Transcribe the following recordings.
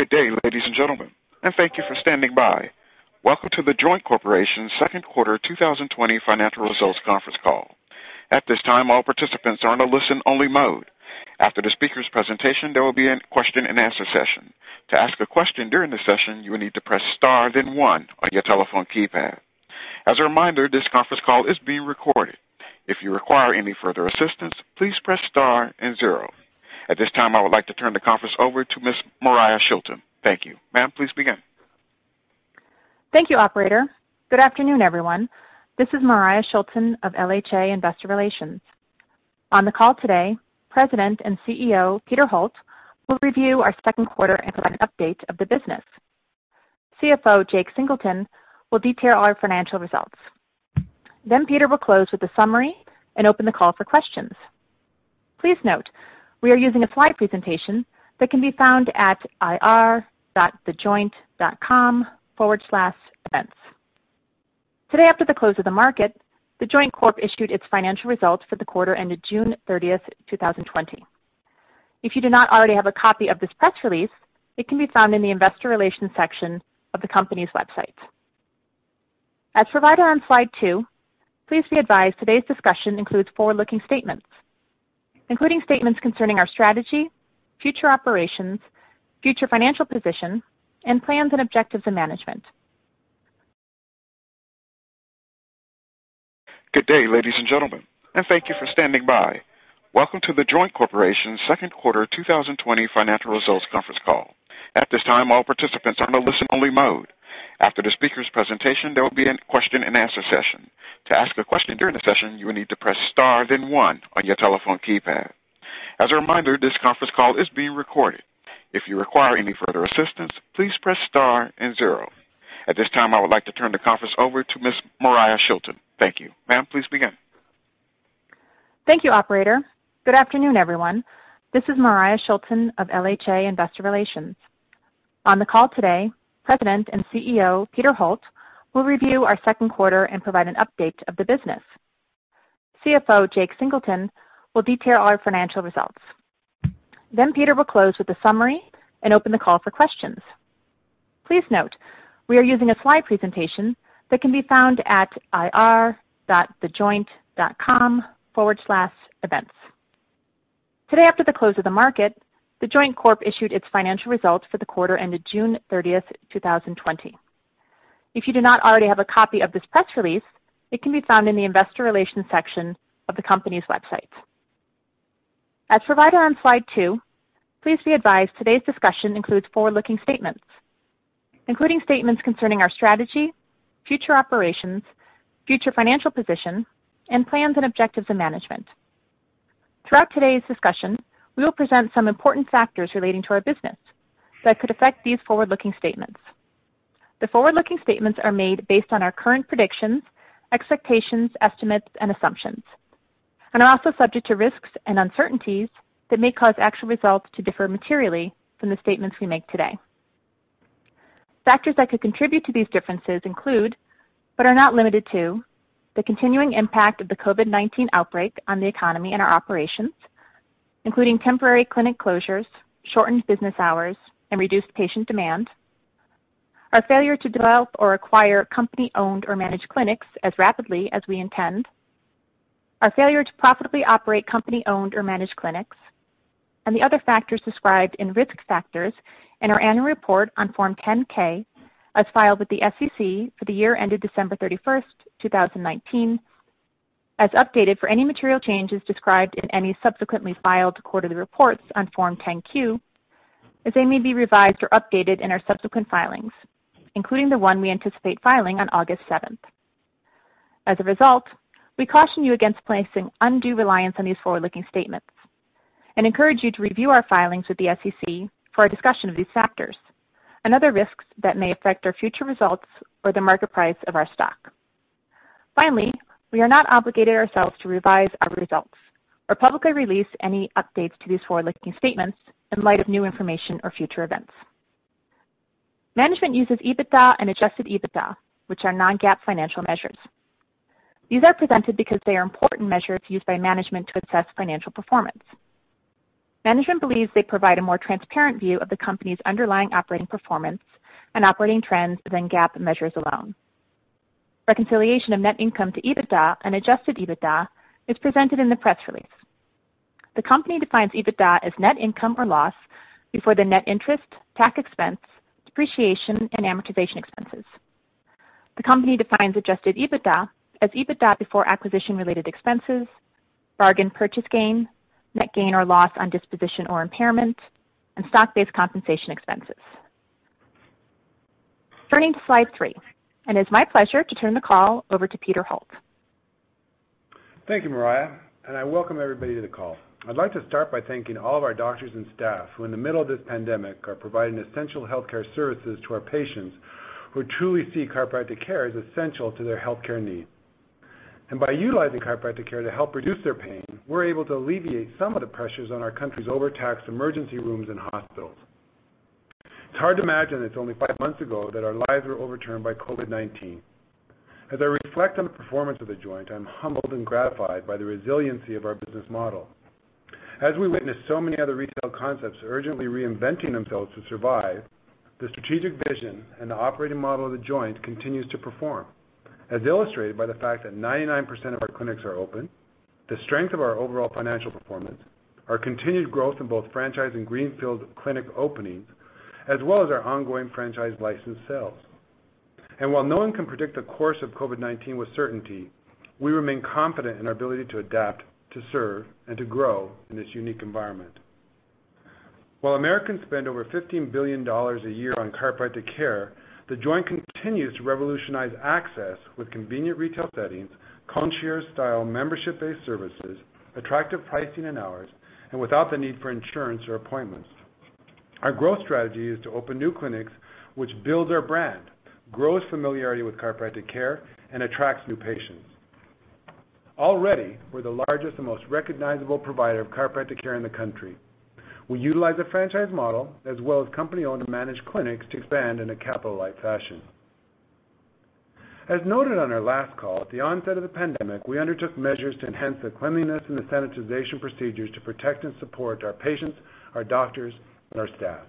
Good day, ladies and gentlemen, and thank you for standing by. Welcome to The Joint Corporation's second quarter 2020 financial results conference call. At this time, all participants are in a listen only mode. After the speaker's presentation, there will be a question-and-answer session. To ask a question during the session, you will need to press star then one on your telephone keypad. As a reminder, this conference call is being recorded. If you require any further assistance, please press star and zero. At this time, I would like to turn the conference over to Ms. Moriah Shilton. Thank you. Ma'am, please begin. Thank you, operator. Good afternoon, everyone. This is Moriah Shilton of LHA Investor Relations. On the call today, President and CEO, Peter Holt, will review our second quarter and provide an update of the business. CFO, Jake Singleton, will detail our financial results. Peter will close with a summary and open the call for questions. Please note, we are using a slide presentation that can be found at ir.thejoint.com/events. Today after the close of the market, The Joint Corp issued its financial results for the quarter ended June 30th, 2020. If you do not already have a copy of this press release, it can be found in the investor relations section of the company's website. As provided on Slide two, please be advised today's discussion includes forward-looking statements, including statements concerning our strategy, future operations, future financial position, and plans and objectives of management. Throughout today's discussion, we will present some important factors relating to our business that could affect these forward-looking statements. The forward-looking statements are made based on our current predictions, expectations, estimates, and assumptions, and are also subject to risks and uncertainties that may cause actual results to differ materially from the statements we make today. Factors that could contribute to these differences include, but are not limited to, the continuing impact of the COVID-19 outbreak on the economy and our operations, including temporary clinic closures, shortened business hours, and reduced patient demand. Our failure to develop or acquire company-owned or managed clinics as rapidly as we intend. Our failure to profitably operate company-owned or managed clinics. The other factors described in Risk Factors in our Annual Report on Form 10-K, as filed with the SEC for the year ended December 31st, 2019, as updated for any material changes described in any subsequently filed quarterly reports on Form 10-Q, as they may be revised or updated in our subsequent filings, including the one we anticipate filing on August 7th. As a result, we caution you against placing undue reliance on these forward-looking statements and encourage you to review our filings with the SEC for a discussion of these factors and other risks that may affect our future results or the market price of our stock. Finally, we are not obligated ourselves to revise our results or publicly release any updates to these forward-looking statements in light of new information or future events. Management uses EBITDA and adjusted EBITDA, which are non-GAAP financial measures. These are presented because they are important measures used by management to assess financial performance. Management believes they provide a more transparent view of the company's underlying operating performance and operating trends than GAAP measures alone. Reconciliation of net income to EBITDA and adjusted EBITDA is presented in the press release. The company defines EBITDA as net income or loss before the net interest, tax expense, depreciation, and amortization expenses. The company defines adjusted EBITDA as EBITDA before acquisition-related expenses, bargain purchase gain, net gain or loss on disposition or impairment, and stock-based compensation expenses. Turning to Slide three. It is my pleasure to turn the call over to Peter Holt. Thank you, Moriah, I welcome everybody to the call. I'd like to start by thanking all of our doctors and staff who in the middle of this pandemic are providing essential healthcare services to our patients who truly see chiropractic care as essential to their healthcare needs. By utilizing chiropractic care to help reduce their pain, we're able to alleviate some of the pressures on our country's overtaxed emergency rooms and hospitals. It's hard to imagine it's only five months ago that our lives were overturned by COVID-19. As I reflect on the performance of The Joint, I'm humbled and gratified by the resiliency of our business model. As we witness so many other retail concepts urgently reinventing themselves to survive, the strategic vision and the operating model of The Joint continues to perform, as illustrated by the fact that 99% of our clinics are open, the strength of our overall financial performance, our continued growth in both franchise and greenfield clinic openings, as well as our ongoing franchise license sales. While no one can predict the course of COVID-19 with certainty, we remain confident in our ability to adapt, to serve, and to grow in this unique environment. While Americans spend over $15 billion a year on chiropractic care, The Joint continues to revolutionize access with convenient retail settings, concierge-style membership-based services, attractive pricing and hours, and without the need for insurance or appointments. Our growth strategy is to open new clinics which build our brand, grows familiarity with chiropractic care, and attracts new patients. Already, we're the largest and most recognizable provider of chiropractic care in the country. We utilize a franchise model as well as company-owned and managed clinics to expand in a capital-light fashion. As noted on our last call, at the onset of the pandemic, we undertook measures to enhance the cleanliness and the sanitization procedures to protect and support our patients, our doctors, and our staff.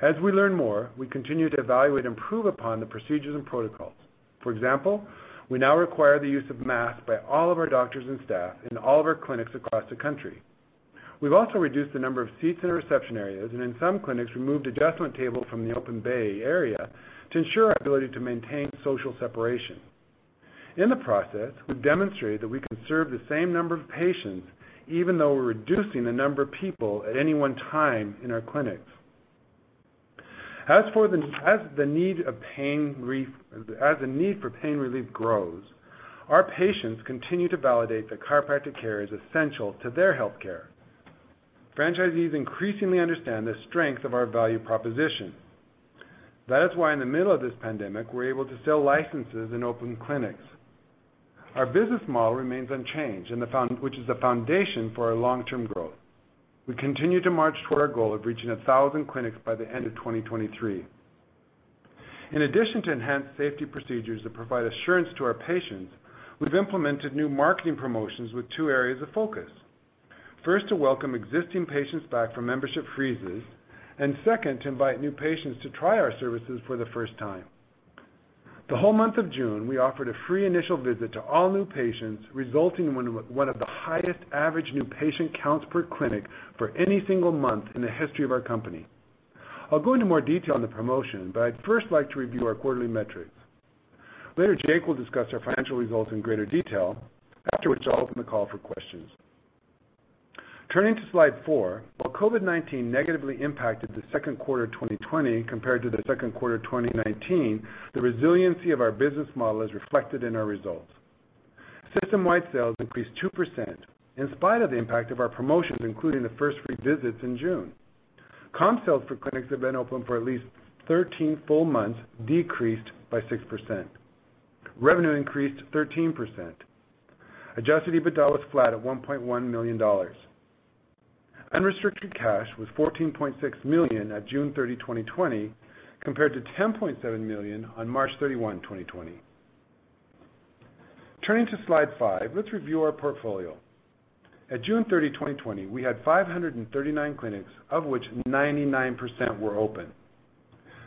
As we learn more, we continue to evaluate and improve upon the procedures and protocols. For example, we now require the use of masks by all of our doctors and staff in all of our clinics across the country. We've also reduced the number of seats in the reception areas, and in some clinics, removed adjustment tables from the open bay area to ensure our ability to maintain social separation. In the process, we've demonstrated that we can serve the same number of patients, even though we're reducing the number of people at any one time in our clinics. As the need for pain relief grows, our patients continue to validate that chiropractic care is essential to their healthcare. Franchisees increasingly understand the strength of our value proposition. That is why in the middle of this pandemic, we're able to sell licenses in open clinics. Our business model remains unchanged, which is the foundation for our long-term growth. We continue to march toward our goal of reaching 1,000 clinics by the end of 2023. In addition to enhanced safety procedures that provide assurance to our patients, we've implemented new marketing promotions with two areas of focus. First, to welcome existing patients back from membership freezes, and second, to invite new patients to try our services for the first time. The whole month of June, we offered a free initial visit to all new patients, resulting in one of the highest average new patient counts per clinic for any single month in the history of our company. I'll go into more detail on the promotion, but I'd first like to review our quarterly metrics. Later, Jake will discuss our financial results in greater detail. After which, I'll open the call for questions. Turning to Slide four, while COVID-19 negatively impacted the second quarter 2020 compared to the second quarter 2019, the resiliency of our business model is reflected in our results. System-wide sales increased 2% in spite of the impact of our promotions, including the first free visits in June. Comp sales for clinics that have been open for at least 13 full months decreased by 6%. Revenue increased 13%. Adjusted EBITDA was flat at $1.1 million. Unrestricted cash was $14.6 million on June 30, 2020, compared to $10.7 million on March 31, 2020. Turning to Slide five, let's review our portfolio. At June 30, 2020, we had 539 clinics, of which 99% were open.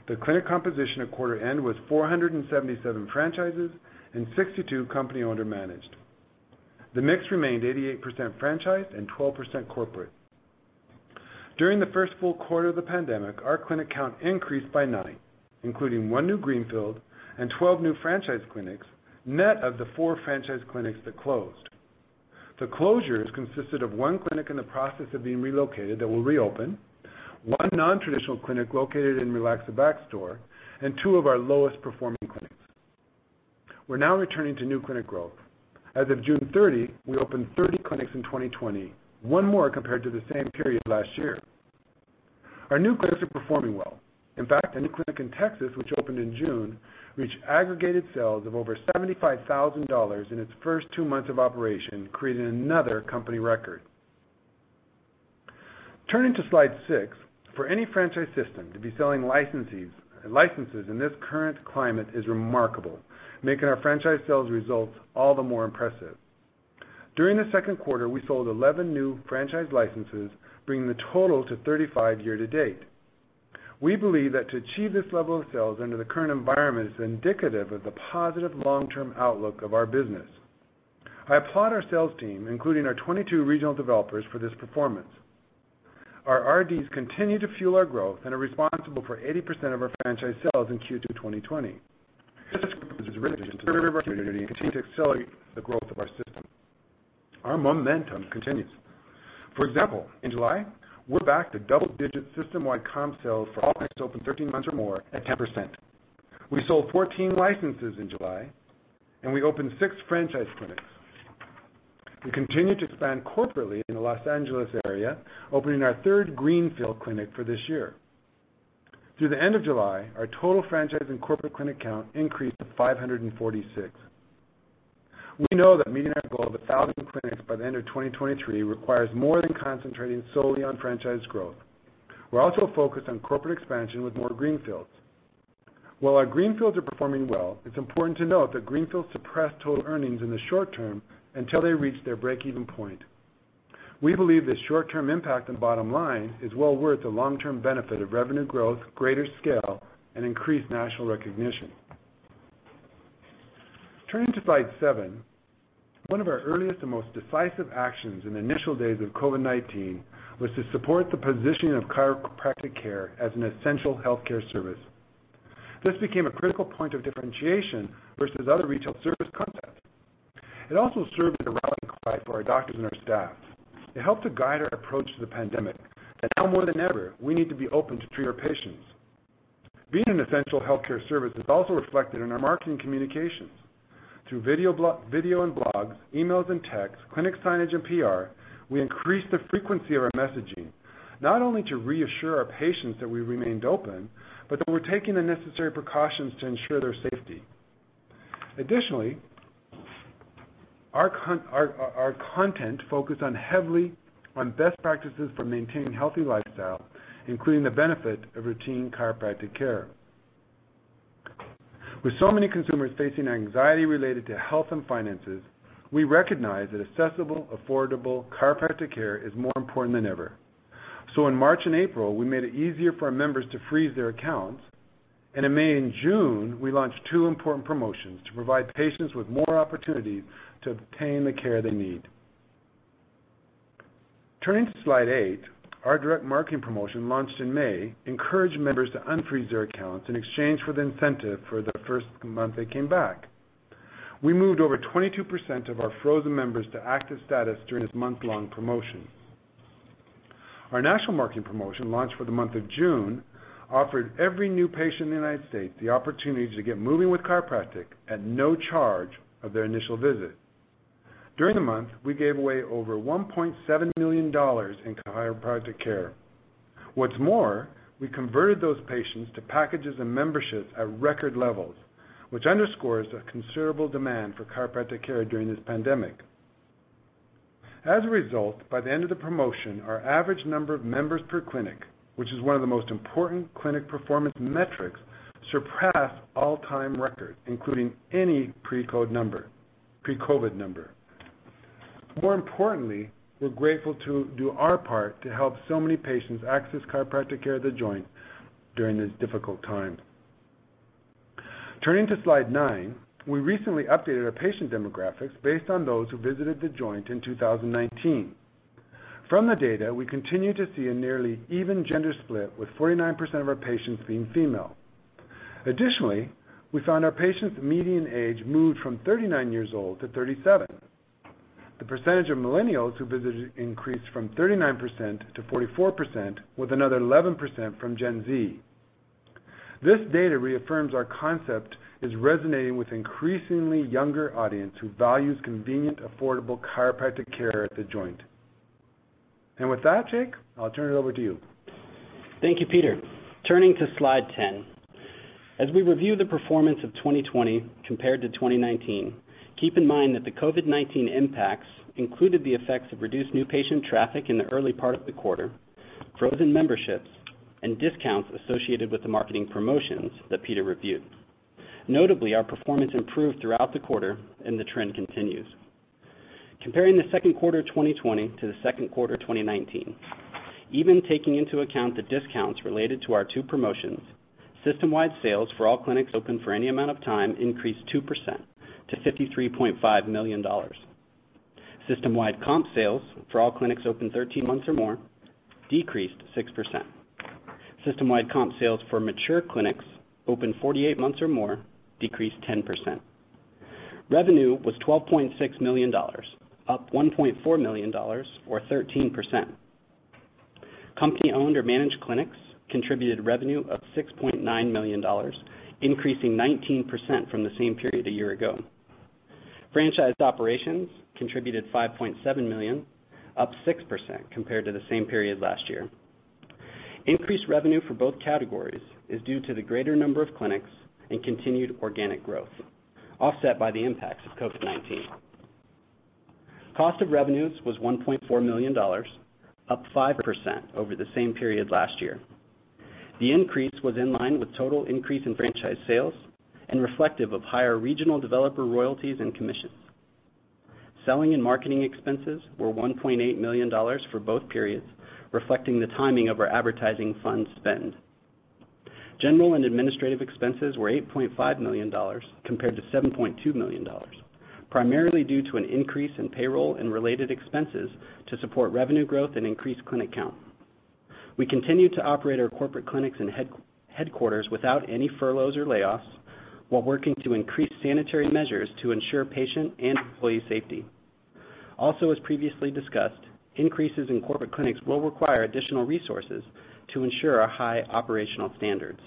The clinic composition at quarter end was 477 franchises and 62 company-owned or managed. The mix remained 88% franchise and 12% corporate. During the first full quarter of the pandemic, our clinic count increased by nine, including one new greenfield and 12 new franchise clinics, net of the four franchise clinics that closed. The closures consisted of one clinic in the process of being relocated that will reopen, one non-traditional clinic located in Relax The Back store, and two of our lowest-performing clinics. We're now returning to new clinic growth. As of June 30, we opened 30 clinics in 2020, one more compared to the same period last year. Our new clinics are performing well. In fact, a new clinic in Texas, which opened in June, reached aggregated sales of over $75,000 in its first two months of operation, creating another company record. Turning to Slide six, for any franchise system to be selling licenses in this current climate is remarkable, making our franchise sales results all the more impressive. During the second quarter, we sold 11 new franchise licenses, bringing the total to 35 year-to-date. We believe that to achieve this level of sales under the current environment is indicative of the positive long-term outlook of our business. I applaud our sales team, including our 22 regional developers, for this performance. Our RDs continue to fuel our growth and are responsible for 80% of our franchise sales in Q2 2020. This is in addition to the opportunity to continue to accelerate the growth of our system. Our momentum continues. For example, in July, we're back to double-digit system-wide comp sales for all clinics open 13 months or more at 10%. We sold 14 licenses in July, and we opened six franchise clinics. We continue to expand corporately in the Los Angeles area, opening our third greenfield clinic for this year. Through the end of July, our total franchise and corporate clinic count increased to 546. We know that meeting our goal of 1,000 clinics by the end of 2023 requires more than concentrating solely on franchise growth. We're also focused on corporate expansion with more greenfields. While our greenfields are performing well, it's important to note that greenfields suppress total earnings in the short-term until they reach their break-even point. We believe the short-term impact on bottom line is well worth the long-term benefit of revenue growth, greater scale, and increased national recognition. Turning to Slide seven, one of our earliest and most decisive actions in the initial days of COVID-19 was to support the positioning of chiropractic care as an essential healthcare service. This became a critical point of differentiation versus other retail service concepts. It also served as a rallying cry for our doctors and our staff. It helped to guide our approach to the pandemic that now, more than ever, we need to be open to treat our patients. Being an essential healthcare service is also reflected in our marketing communications. Through video and blogs, emails and texts, clinic signage, and PR, we increased the frequency of our messaging, not only to reassure our patients that we remained open, but that we're taking the necessary precautions to ensure their safety. Additionally, our content focused heavily on best practices for maintaining a healthy lifestyle, including the benefit of routine chiropractic care. With so many consumers facing anxiety related to health and finances, we recognize that accessible, affordable chiropractic care is more important than ever. In March and April, we made it easier for our members to freeze their accounts. In May and June, we launched two important promotions to provide patients with more opportunities to obtain the care they need. Turning to Slide eight, our direct marketing promotion, launched in May, encouraged members to unfreeze their accounts in exchange for the incentive for the first month they came back. We moved over 22% of our frozen members to active status during this month-long promotion. Our national marketing promotion, launched for the month of June, offered every new patient in the United States the opportunity to get moving with chiropractic at no charge of their initial visit. During the month, we gave away over $1.7 million in chiropractic care. We converted those patients to packages and memberships at record levels, which underscores a considerable demand for chiropractic care during this pandemic. By the end of the promotion, our average number of members per clinic, which is one of the most important clinic performance metrics, surpassed all-time records, including any pre-COVID number. We're grateful to do our part to help so many patients access chiropractic care at The Joint during this difficult time. Turning to Slide nine, we recently updated our patient demographics based on those who visited The Joint in 2019. We continue to see a nearly even gender split, with 49% of our patients being female. We found our patients' median age moved from 39 years old to 37. The percentage of millennials who visited increased from 39% to 44%, with another 11% from Gen Z. This data reaffirms our concept is resonating with an increasingly younger audience who values convenient, affordable chiropractic care at The Joint. With that, Jake, I'll turn it over to you. Thank you, Peter. Turning to Slide 10. As we review the performance of 2020 compared to 2019, keep in mind that the COVID-19 impacts included the effects of reduced new patient traffic in the early part of the quarter, frozen memberships, and discounts associated with the marketing promotions that Peter reviewed. Notably, our performance improved throughout the quarter, and the trend continues. Comparing the second quarter 2020 to the second quarter 2019, even taking into account the discounts related to our two promotions, system-wide sales for all clinics open for any amount of time increased 2% to $53.5 million. System-wide comp sales for all clinics open 13 months or more decreased 6%. System-wide comp sales for mature clinics open 48 months or more decreased 10%. Revenue was $12.6 million, up $1.4 million, or 13%. Company-owned or managed clinics contributed revenue of $6.9 million, increasing 19% from the same period a year ago. Franchise operations contributed $5.7 million, up 6% compared to the same period last year. Increased revenue for both categories is due to the greater number of clinics and continued organic growth, offset by the impacts of COVID-19. Cost of revenues was $1.4 million, up 5% over the same period last year. The increase was in line with the total increase in franchise sales and reflective of higher regional developer royalties and commissions. Selling and marketing expenses were $1.8 million for both periods, reflecting the timing of our advertising fund spend. General and administrative expenses were $8.5 million compared to $7.2 million, primarily due to an increase in payroll and related expenses to support revenue growth and increased clinic count. We continue to operate our corporate clinics and headquarters without any furloughs or layoffs while working to increase sanitary measures to ensure patient and employee safety. Also, as previously discussed, increases in corporate clinics will require additional resources to ensure our high operational standards.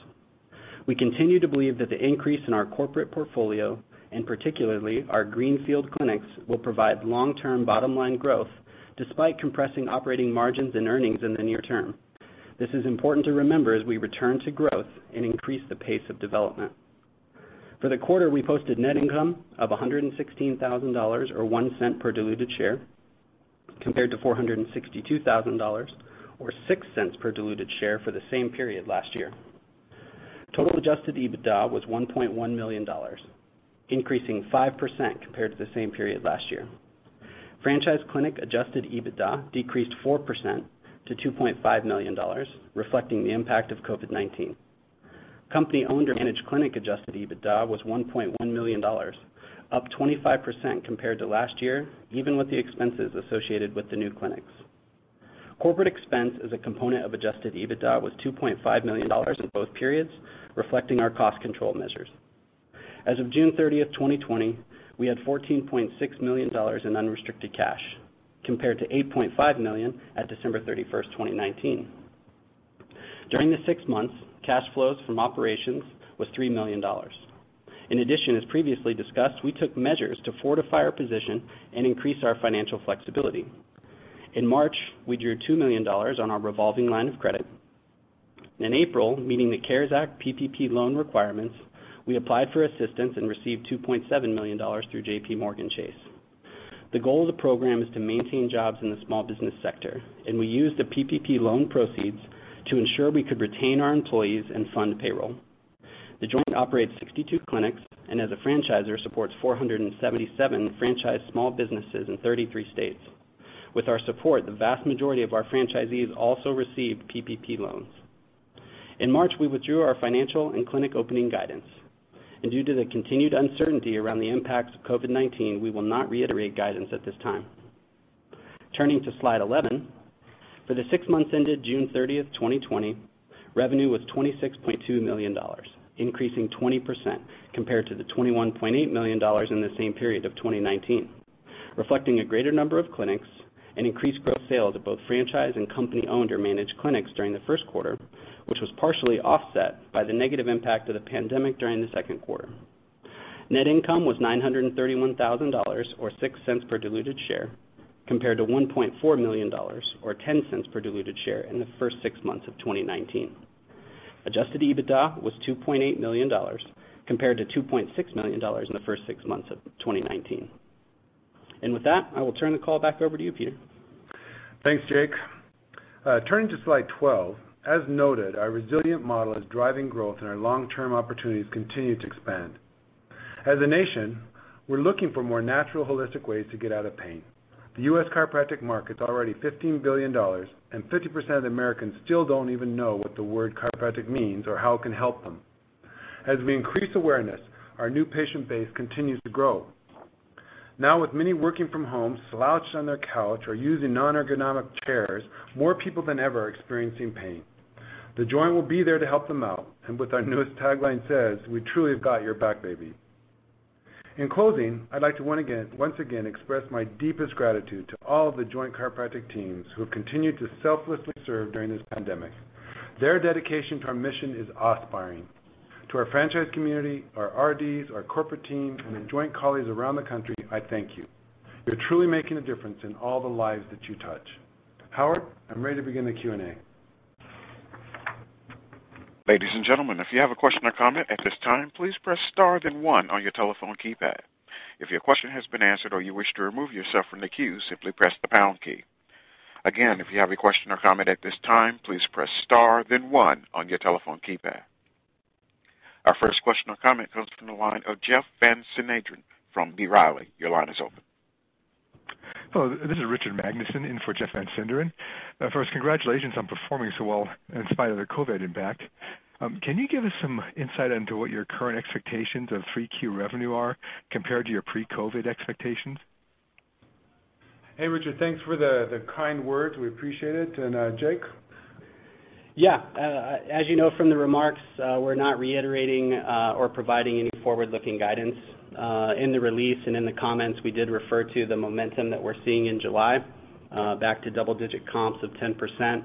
We continue to believe that the increase in our corporate portfolio, and particularly our greenfield clinics, will provide long-term bottom-line growth despite compressing operating margins and earnings in the near-term. This is important to remember as we return to growth and increase the pace of development. For the quarter, we posted net income of $116,000 or $0.01 per diluted share, compared to $462,000 or $0.06 per diluted share for the same period last year. Total adjusted EBITDA was $1.1 million, increasing 5% compared to the same period last year. Franchise clinic adjusted EBITDA decreased 4% to $2.5 million, reflecting the impact of COVID-19. Company owned or managed clinic adjusted EBITDA was $1.1 million, up 25% compared to last year, even with the expenses associated with the new clinics. Corporate expense as a component of adjusted EBITDA was $2.5 million in both periods, reflecting our cost control measures. As of June 30th, 2020, we had $14.6 million in unrestricted cash, compared to $8.5 million at December 31st, 2019. During the six months, cash flows from operations was $3 million. As previously discussed, we took measures to fortify our position and increase our financial flexibility. In March, we drew $2 million on our revolving line of credit. Meeting the CARES Act PPP loan requirements, we applied for assistance and received $2.7 million through JPMorgan Chase. The goal of the program is to maintain jobs in the small business sector. We used the PPP loan proceeds to ensure we could retain our employees and fund payroll. The Joint operates 62 clinics. As a franchisor, supports 477 franchised small businesses in 33 states. With our support, the vast majority of our franchisees also received PPP loans. In March, we withdrew our financial and clinic opening guidance. Due to the continued uncertainty around the impacts of COVID-19, we will not reiterate guidance at this time. Turning to Slide 11. For the six months ended June 30th, 2020, revenue was $26.2 million, increasing 20% compared to the $21.8 million in the same period of 2019, reflecting a greater number of clinics and increased gross sales at both franchise and company-owned or managed clinics during the first quarter, which was partially offset by the negative impact of the pandemic during the second quarter. Net income was $931,000 or $0.06 per diluted share compared to $1.4 million or $0.10 per diluted share in the first six months of 2019. Adjusted EBITDA was $2.8 million compared to $2.6 million in the first six months of 2019. With that, I will turn the call back over to you, Peter. Thanks, Jake. Turning to Slide 12. As noted, our resilient model is driving growth and our long-term opportunities continue to expand. As a nation, we're looking for more natural, holistic ways to get out of pain. The U.S. chiropractic market's already $15 billion, and 50% of Americans still don't even know what the word chiropractic means or how it can help them. As we increase awareness, our new patient base continues to grow. With many working from home slouched on their couch or using non-ergonomic chairs, more people than ever are experiencing pain. The Joint will be there to help them out, and with our newest tagline says, we truly have got your back, baby. In closing, I'd like to once again express my deepest gratitude to all of The Joint Chiropractic teams who have continued to selflessly serve during this pandemic. Their dedication to our mission is awe-inspiring. To our franchise community, our RDs, our corporate team, and The Joint colleagues around the country, I thank you. You're truly making a difference in all the lives that you touch. Howard, I'm ready to begin the Q&A. Ladies and gentlemen if you have a question or comment at this time, please press star then one on your telephone keypad. If your question has been answered or you wish to remove yourself from the queue, simply press the pound key. Again. If you have a question or comment at this time, please press star, then one on your telephone keypad. Our first question or comment comes from the line of Jeff Van Sinderen from B. Riley. Your line is open. Hello, this is Richard Magnusen in for Jeff Van Sinderen. First, congratulations on performing so well in spite of the COVID impact. Can you give us some insight into what your current expectations of 3Q revenue are compared to your pre-COVID expectations? Hey, Richard. Thanks for the kind words. We appreciate it. Jake? Yeah. As you know from the remarks, we're not reiterating or providing any forward-looking guidance. In the release and in the comments, we did refer to the momentum that we're seeing in July, back to double-digit comps of 10%,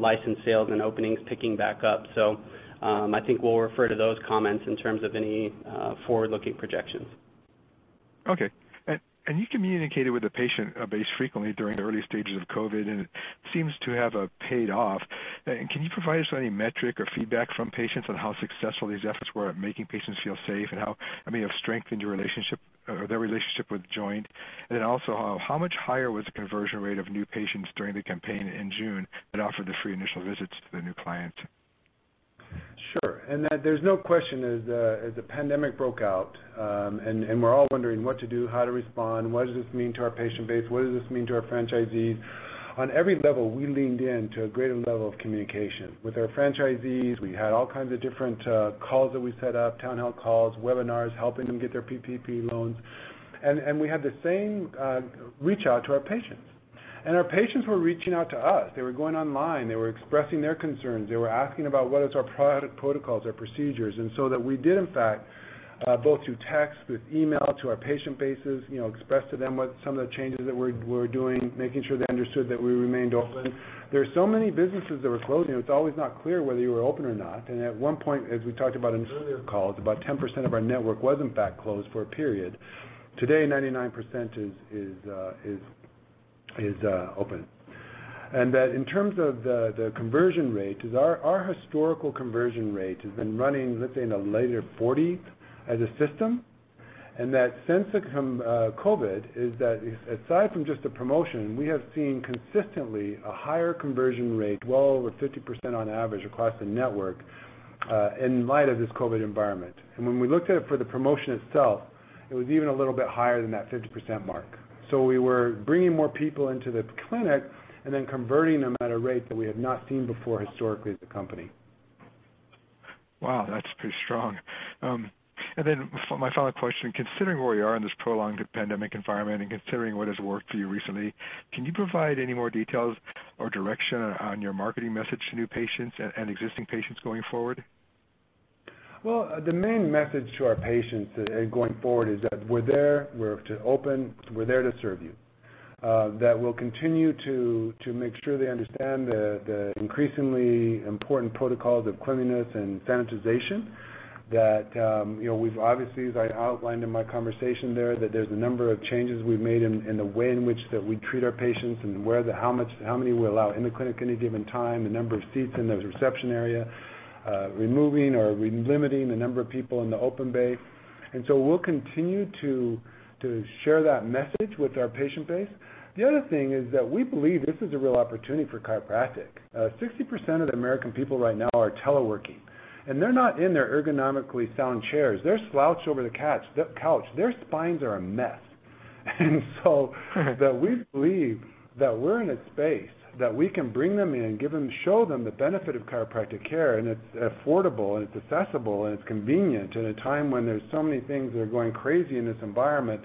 licensed sales and openings picking back up. I think we'll refer to those comments in terms of any forward-looking projections. Okay. You communicated with the patient base frequently during the early stages of COVID, and it seems to have paid off. Can you provide us any metric or feedback from patients on how successful these efforts were at making patients feel safe and how it may have strengthened their relationship with The Joint? How much higher was the conversion rate of new patients during the campaign in June that offered the free initial visits to the new client? Sure. There's no question, as the pandemic broke out, and we're all wondering what to do, how to respond, what does this mean to our patient base, what does this mean to our franchisees? On every level, we leaned in to a greater level of communication. With our franchisees, we had all kinds of different calls that we set up, town hall calls, webinars, helping them get their PPP loans. We had the same reach out to our patients. Our patients were reaching out to us. They were going online. They were expressing their concerns. They were asking about what is our protocols, our procedures. What we did, in fact, both through text, with email to our patient bases, expressed to them what some of the changes that we're doing, making sure they understood that we remained open. There are so many businesses that were closing, it's always not clear whether you were open or not. At one point, as we talked about in earlier calls, about 10% of our network was, in fact, closed for a period. Today, 99% is open. That in terms of the conversion rate, our historical conversion rate has been running, let's say, in the later 40s as a system, and that since COVID, is that aside from just the promotion, we have seen consistently a higher conversion rate, well over 50% on average across the network, in light of this COVID environment. When we looked at it for the promotion itself, it was even a little bit higher than that 50% mark. We were bringing more people into the clinic and then converting them at a rate that we have not seen before historically as a company. Wow, that's pretty strong. Then for my final question, considering where we are in this prolonged pandemic environment and considering what has worked for you recently, can you provide any more details or direction on your marketing message to new patients and existing patients going forward? The main message to our patients going forward is that we're there, we're open, we're there to serve you. We'll continue to make sure they understand the increasingly important protocols of cleanliness and sanitization. We've obviously, as I outlined in my conversation there, that there's a number of changes we've made in the way in which that we treat our patients and how many we allow in the clinic at any given time, the number of seats in the reception area, removing or limiting the number of people in the open bay. We'll continue to share that message with our patient base. The other thing is that we believe this is a real opportunity for chiropractic. 60% of the American people right now are teleworking, and they're not in their ergonomically sound chairs. They're slouched over the couch. Their spines are a mess. That we believe that we're in a space that we can bring them in, show them the benefit of chiropractic care, and it's affordable, and it's accessible, and it's convenient at a time when there's so many things that are going crazy in this environment,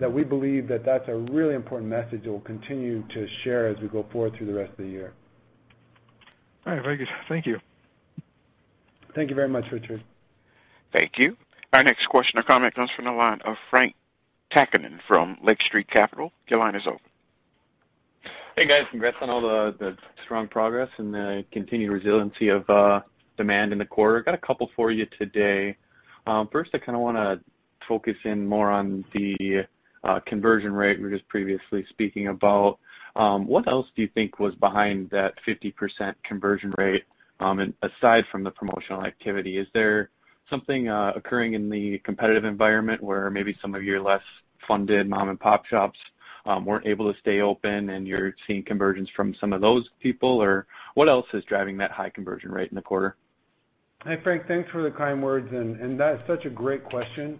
that we believe that that's a really important message that we'll continue to share as we go forward through the rest of the year. All right. Very good. Thank you. Thank you very much, Richard. Thank you. Our next question or comment comes from the line of Frank Takkinen from Lake Street Capital. Your line is open. Hey, guys. Congrats on all the strong progress and the continued resiliency of demand in the quarter. Got a couple for you today. First, I kind of want to focus in more on the conversion rate you were just previously speaking about. What else do you think was behind that 50% conversion rate, aside from the promotional activity? Is there something occurring in the competitive environment where maybe some of your less-funded mom-and-pop shops weren't able to stay open and you're seeing conversions from some of those people? What else is driving that high conversion rate in the quarter? Hey, Frank. Thanks for the kind words. That is such a great question.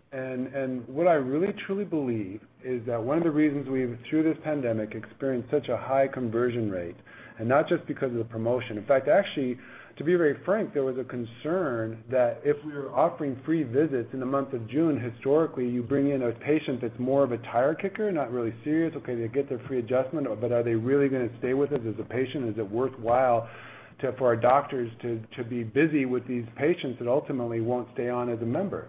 What I really truly believe is that one of the reasons we've, through this pandemic, experienced such a high conversion rate, not just because of the promotion. In fact, actually, to be very frank, there was a concern that if we're offering free visits in the month of June, historically, you bring in a patient that's more of a tire kicker, not really serious. Okay, they get their free adjustment, are they really going to stay with us as a patient? Is it worthwhile for our doctors to be busy with these patients that ultimately won't stay on as a member?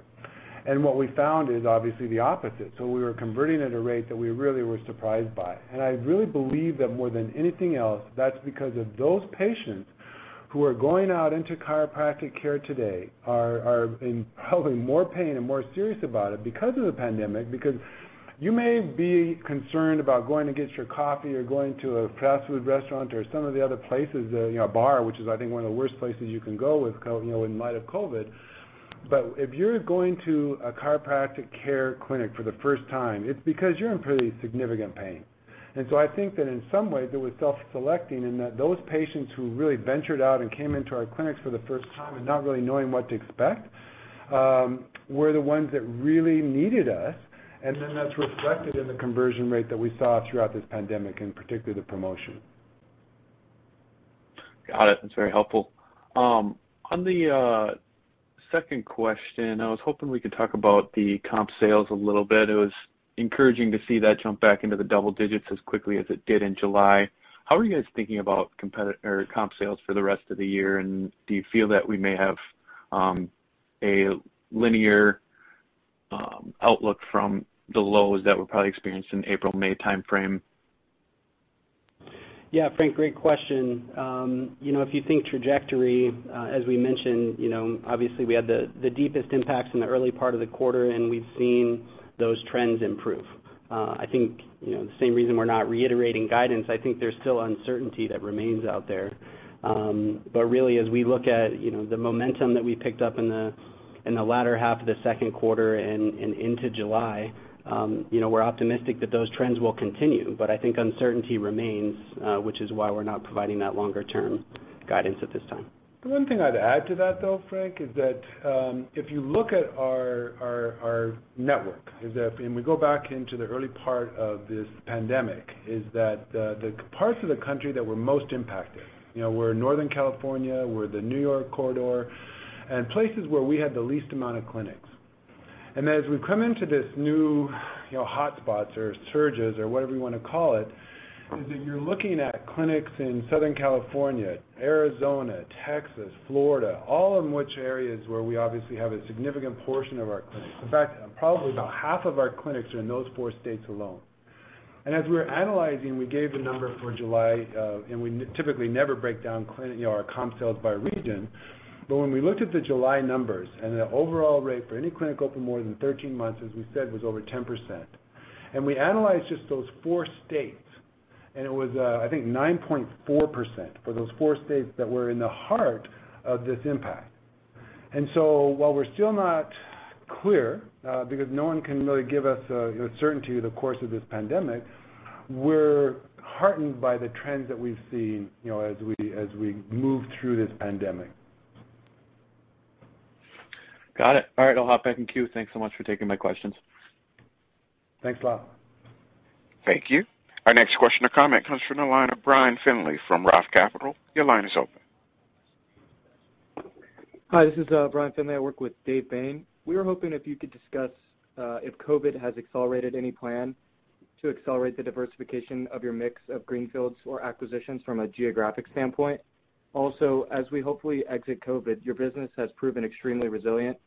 What we found is obviously the opposite. We were converting at a rate that we really were surprised by. I really believe that more than anything else, that's because of those patients who are going out into chiropractic care today are in probably more pain and more serious about it because of the pandemic. You may be concerned about going to get your coffee or going to a fast food restaurant or some of the other places, a bar, which is, I think, one of the worst places you can go in light of COVID. If you're going to a chiropractic care clinic for the first time, it's because you're in pretty significant pain. I think that in some ways, it was self-selecting and that those patients who really ventured out and came into our clinics for the first time and not really knowing what to expect, were the ones that really needed us. That's reflected in the conversion rate that we saw throughout this pandemic, and particularly the promotion. Got it. That's very helpful. On the second question, I was hoping we could talk about the comp sales a little bit. It was encouraging to see that jump back into the double-digits as quickly as it did in July. How are you guys thinking about comp sales for the rest of the year, and do you feel that we may have a linear outlook from the lows that were probably experienced in April, May timeframe? Yeah, Frank, great question. If you think trajectory, as we mentioned, obviously we had the deepest impacts in the early part of the quarter, and we've seen those trends improve. I think, the same reason we're not reiterating guidance, I think there's still uncertainty that remains out there. Really, as we look at the momentum that we picked up in the latter half of the second quarter and into July, we're optimistic that those trends will continue. I think uncertainty remains, which is why we're not providing that longer-term guidance at this time. The one thing I'd add to that, though, Frank, is that if you look at our network, and we go back into the early part of this pandemic, is that the parts of the country that were most impacted were Northern California, were the New York corridor, and places where we had the least amount of clinics. As we've come into these new hotspots or surges or whatever you want to call it, is that you're looking at clinics in Southern California, Arizona, Texas, Florida, all of which areas where we obviously have a significant portion of our clinics. In fact, probably about half of our clinics are in those four states alone. As we're analyzing, we gave the number for July, and we typically never break down our comp sales by region. When we looked at the July numbers and the overall rate for any clinic open more than 13 months, as we said, was over 10%. We analyzed just those four states. It was, I think, 9.4% for those four states that were in the heart of this impact. While we're still not clear, because no one can really give us certainty the course of this pandemic, we're heartened by the trends that we've seen as we move through this pandemic. Got it. All right, I'll hop back in queue. Thanks so much for taking my questions. Thanks, Frank. Thank you. Our next question or comment comes from the line of Brian Finley from ROTH Capital. Your line is open. Hi, this is Brian Finley. I work with Dave Bain. We were hoping if you could discuss if COVID has accelerated any plan to accelerate the diversification of your mix of greenfields or acquisitions from a geographic standpoint? Also, as we hopefully exit COVID, your business has proven extremely resilient,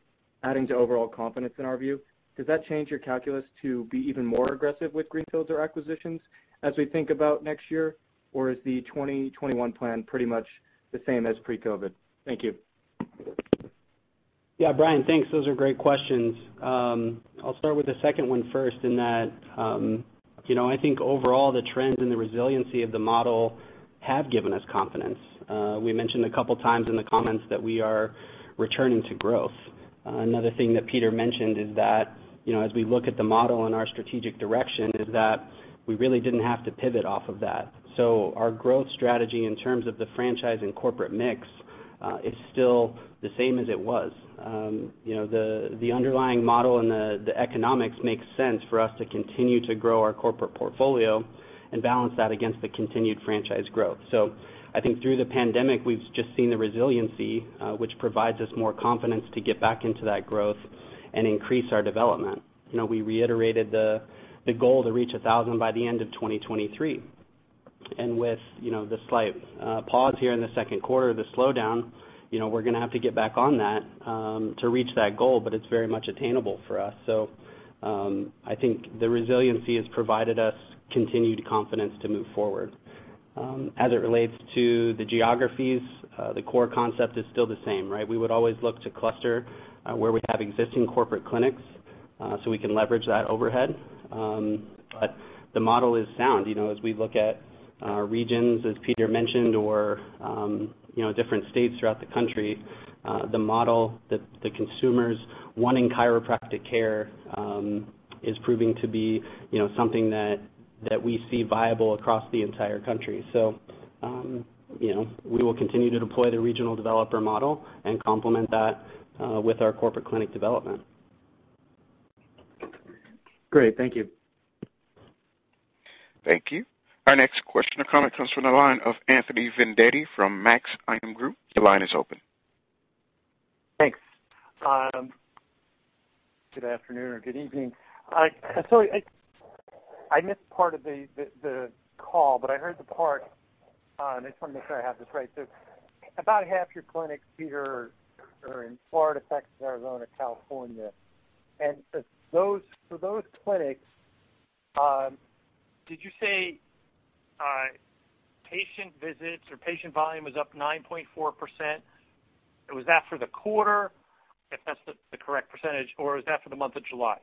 adding to overall confidence in our view. Does that change your calculus to be even more aggressive with greenfields or acquisitions as we think about next year? Or is the 2021 plan pretty much the same as pre-COVID? Thank you. Yeah, Brian, thanks. Those are great questions. I'll start with the second one first, in that I think overall, the trends and the resiliency of the model have given us confidence. We mentioned a couple of times in the comments that we are returning to growth. Another thing that Peter mentioned is that as we look at the model and our strategic direction, is that we really didn't have to pivot off of that. Our growth strategy in terms of the franchise and corporate mix, is still the same as it was. The underlying model and the economics makes sense for us to continue to grow our corporate portfolio and balance that against the continued franchise growth. I think through the pandemic, we've just seen the resiliency, which provides us more confidence to get back into that growth and increase our development. We reiterated the goal to reach 1,000 by the end of 2023. With the slight pause here in the second quarter, the slowdown, we're going to have to get back on that to reach that goal, but it's very much attainable for us. I think the resiliency has provided us continued confidence to move forward. As it relates to the geographies, the core concept is still the same, right? We would always look to cluster where we have existing corporate clinics, so we can leverage that overhead. The model is sound. As we look at regions, as Peter mentioned, or different states throughout the country, the model, the consumers wanting chiropractic care, is proving to be something that we see viable across the entire country. We will continue to deploy the regional developer model and complement that with our corporate clinic development. Great. Thank you. Thank you. Our next question or comment comes from the line of Anthony Vendetti from Maxim Group. Your line is open. Thanks. Good afternoon or good evening. I missed part of the call, but I heard the part, and I just want to make sure I have this right. About half your clinics, Peter, are in Florida, Texas, Arizona, California. For those clinics, did you say patient visits or patient volume was up 9.4%? Was that for the quarter, if that's the correct percentage, or was that for the month of July?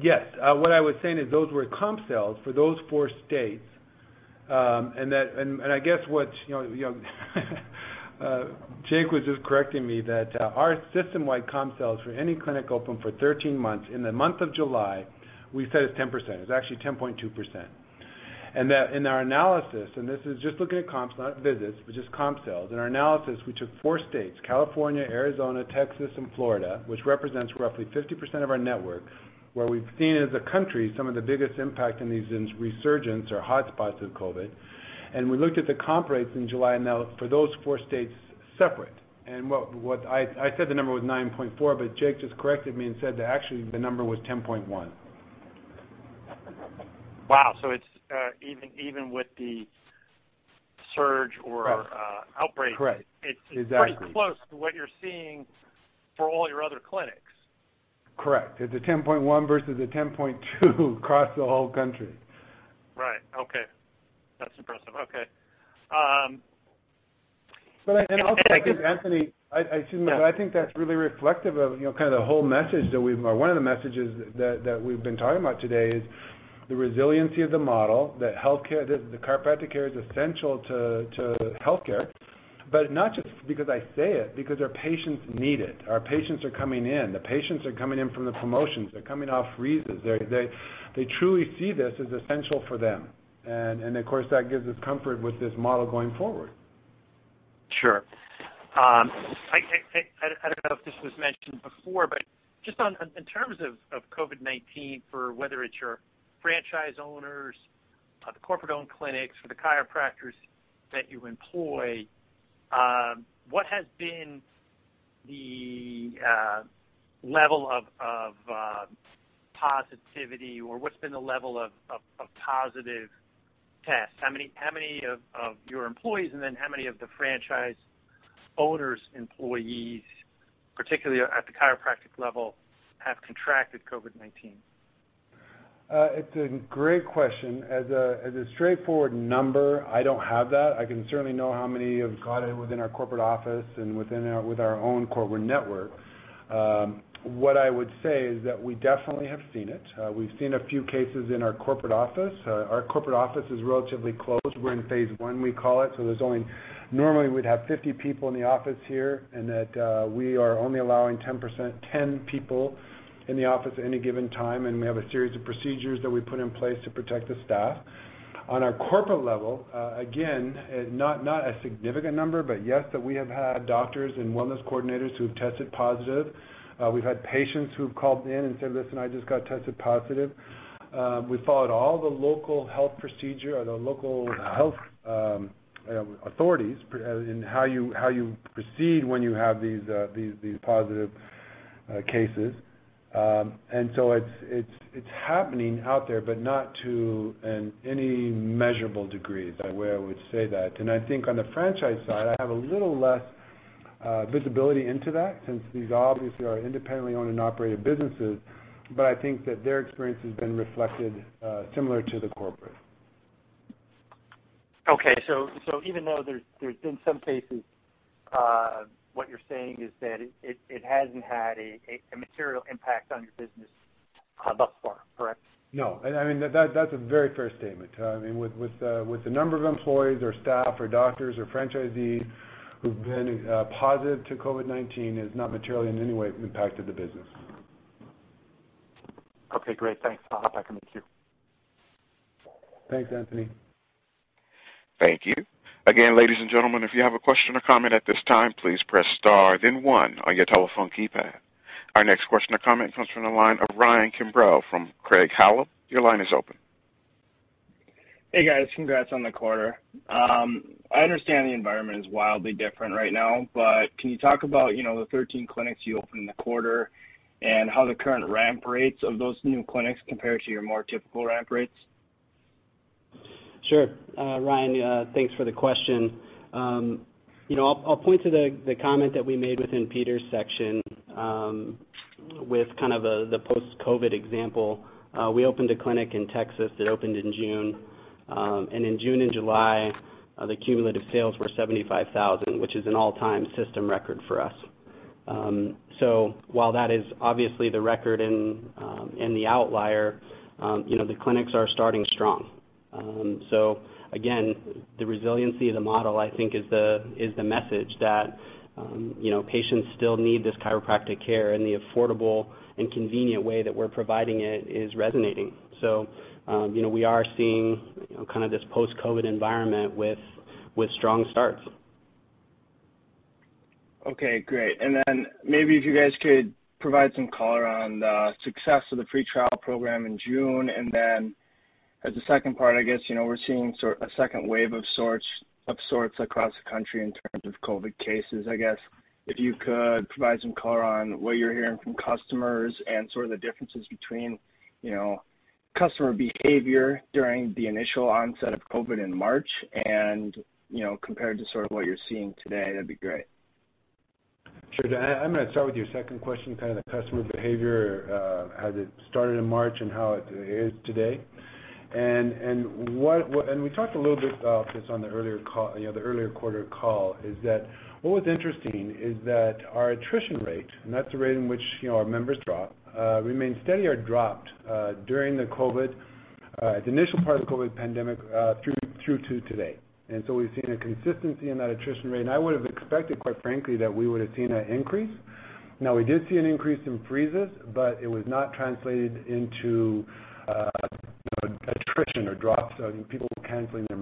Yes. What I was saying is those were comp sales for those four states, and I guess what Jake was just correcting me that our system-wide comp sales for any clinic open for 13 months, in the month of July, we said it is 10%. It is actually 10.2%. That in our analysis, and this is just looking at comps, not visits, but just comp sales. In our analysis, we took four states, California, Arizona, Texas, and Florida, which represents roughly 50% of our network, where we have seen as a country, some of the biggest impact in these resurgences or hotspots of COVID-19. We looked at the comp rates in July and for those four states separate. I said the number was 9.4%, but Jake just corrected me and said that actually the number was 10.1%. Wow. Correct outbreak- Correct. Exactly. it's pretty close to what you're seeing for all your other clinics. Correct. It's a 10.1% versus a 10.2% across the whole country. Right. Okay. That's impressive. Okay. Also, I think, Anthony, excuse me, but I think that's really reflective of kind of the whole message that we've or one of the messages that we've been talking about today is the resiliency of the model, that the chiropractic care is essential to healthcare, but not just because I say it, because our patients need it. Our patients are coming in. The patients are coming in from the promotions. They're coming off freezes. They truly see this as essential for them. Of course, that gives us comfort with this model going forward. Sure. I don't know if this was mentioned before, but just in terms of COVID-19 for whether it's your franchise owners, the corporate-owned clinics, or the chiropractors that you employ, what has been the level of positivity or what's been the level of positive tests? Then how many of your employees, and then how many of the franchise owners' employees, particularly at the chiropractic level, have contracted COVID-19? It's a great question. As a straightforward number, I don't have that. I can certainly know how many have caught it within our corporate office and with our own corporate network. Okay. What I would say is that we definitely have seen it. We've seen a few cases in our corporate office. Our corporate office is relatively closed. We're in phase I, we call it. Normally we'd have 50 people in the office here, and that we are only allowing 10%, 10 people in the office at any given time, and we have a series of procedures that we put in place to protect the staff. On our corporate level, again, not a significant number, but yes, that we have had doctors and wellness coordinators who have tested positive. We've had patients who've called in and said, Listen, I just got tested positive. We followed all the local health procedure or the local health authorities in how you proceed when you have these positive cases. It's happening out there, but not to any measurable degree, the way I would say that. I think on the franchise side, I have a little less visibility into that since these obviously are independently owned and operated businesses. I think that their experience has been reflected similar to the corporate. Okay, even though there's been some cases, what you're saying is that it hasn't had a material impact on your business thus far, correct? No. That's a very fair statement. With the number of employees or staff or doctors or franchisees who've been positive to COVID-19, it has not materially in any way impacted the business. Okay, great. Thanks. I'll hop back in the queue. Thanks, Anthony. Thank you. Again, ladies and gentlemen, if you have a question or comment at this time, please press star then one on your telephone keypad. Our next question or comment comes from the line of Ryan Sigdahl from Craig-Hallum. Your line is open. Hey, guys. Congrats on the quarter. I understand the environment is wildly different right now, but can you talk about the 13 clinics you opened in the quarter and how the current ramp rates of those new clinics compare to your more typical ramp rates? Sure. Ryan, thanks for the question. I'll point to the comment that we made within Peter's section with kind of the post-COVID example. We opened a clinic in Texas that opened in June. In June and July, the cumulative sales were $75,000, which is an all-time system record for us. While that is obviously the record and the outlier, the clinics are starting strong. Again, the resiliency of the model, I think is the message that patients still need this chiropractic care and the affordable and convenient way that we're providing it is resonating. We are seeing this post-COVID environment with strong starts. Okay, great. Maybe if you guys could provide some color on the success of the free trial program in June. As the second part, I guess, we're seeing a second wave of sorts across the country in terms of COVID cases. I guess, if you could provide some color on what you're hearing from customers and sort of the differences between customer behavior during the initial onset of COVID in March and compared to sort of what you're seeing today, that'd be great. Sure. I'm going to start with your second question, kind of the customer behavior, how it started in March and how it is today. We talked a little bit about this on the earlier quarter call, is that what was interesting is that our attrition rate, and that's the rate in which our members drop, remained steady or dropped during the initial part of the COVID pandemic through to today. We've seen a consistency in that attrition rate. I would've expected, quite frankly, that we would've seen an increase. Now we did see an increase in freezes, but it was not translated into attrition or drops of people canceling their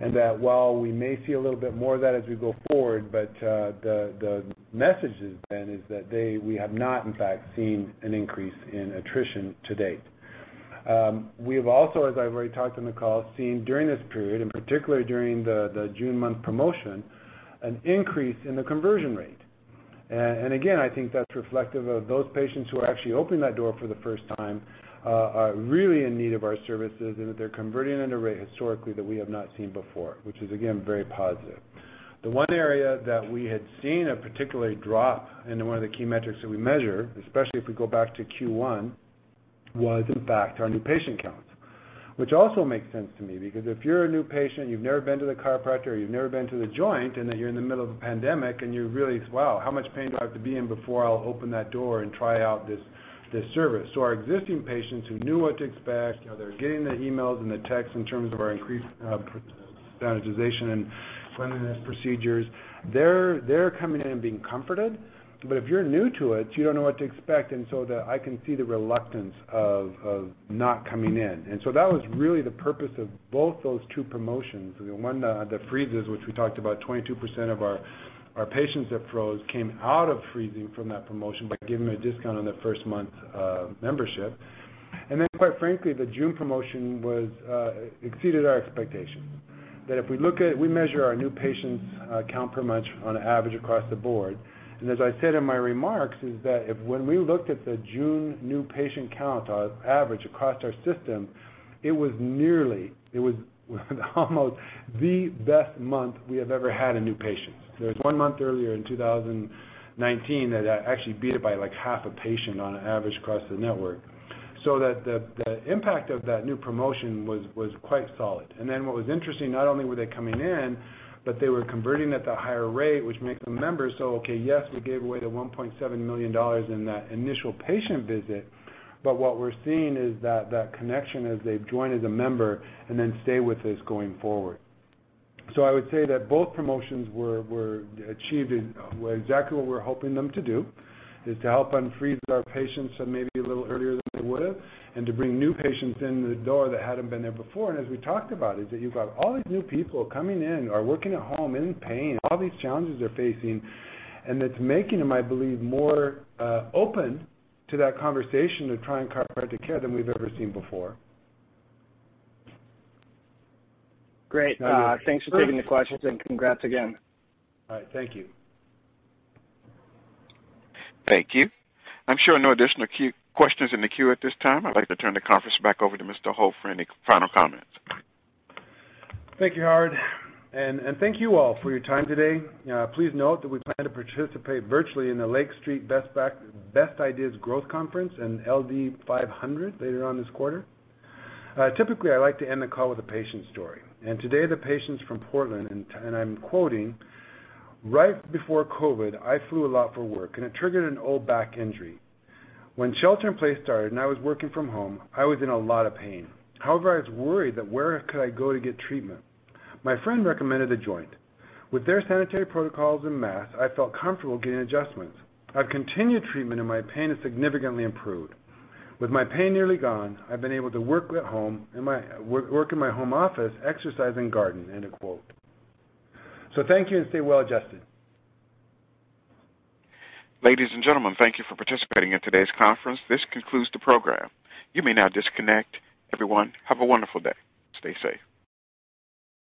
membership. While we may see a little bit more of that as we go forward, the message then is that we have not, in fact, seen an increase in attrition to date. We have also, as I've already talked on the call, seen during this period, and particularly during the June month promotion, an increase in the conversion rate. Again, I think that's reflective of those patients who are actually opening that door for the first time are really in need of our services and that they're converting at a rate historically that we have not seen before, which is again, very positive. The one area that we had seen a particular drop into one of the key metrics that we measure, especially if we go back to Q1, was in fact our new patient counts. Also makes sense to me because if you're a new patient, you've never been to the chiropractor, or you've never been to The Joint, and then you're in the middle of a pandemic, and you really wow, how much pain do I have to be in before I'll open that door and try out this service? Our existing patients who knew what to expect, they're getting the emails and the texts in terms of our increased sanitization and cleanliness procedures. They're coming in and being comforted. If you're new to it, you don't know what to expect. I can see the reluctance of not coming in. That was really the purpose of both those two promotions. One, the freezes, which we talked about 22% of our patients that froze came out of freezing from that promotion by giving a discount on their first month of membership. Quite frankly, the June promotion exceeded our expectations. If we measure our new patients count per month on average across the board, as I said in my remarks, when we looked at the June new patient count, our average across our system, it was almost the best month we have ever had in new patients. There was one month earlier in 2019 that actually beat it by half a patient on average across the network. The impact of that new promotion was quite solid. What was interesting, not only were they coming in, but they were converting at the higher rate, which makes them members. Okay, yes, we gave away the $1.7 million in that initial patient visit, but what we're seeing is that connection as they've joined as a member and then stay with us going forward. I would say that both promotions were achieving exactly what we're hoping them to do, to help unfreeze our patients maybe a little earlier than they would have, and to bring new patients in the door that hadn't been there before. As we talked about, is that you've got all these new people coming in, are working at home in pain, all these challenges they're facing, and it's making them, I believe, more open to that conversation to try chiropractic care than we've ever seen before. Great. Thanks for taking the questions and congrats again. All right. Thank you. Thank you. I'm showing no additional questions in the queue at this time. I'd like to turn the conference back over to Mr. Holt for any final comments. Thank you, Howard. Thank you all for your time today. Please note that we plan to participate virtually in the Lake Street Best Ideas Growth Conference and LD 500 later on this quarter. Typically, I like to end the call with a patient story. Today the patient's from Portland, and I'm quoting, Right before COVID, I flew a lot for work, and it triggered an old back injury. When shelter in place started and I was working from home, I was in a lot of pain. However, I was worried that where could I go to get treatment? My friend recommended The Joint. With their sanitary protocols and masks, I felt comfortable getting adjustments. I've continued treatment, and my pain has significantly improved. With my pain nearly gone, I've been able to work in my home office, exercise and garden. End of quote. Thank you, and stay well adjusted. Ladies and gentlemen, thank you for participating in today's conference. This concludes the program. You may now disconnect. Everyone, have a wonderful day. Stay safe.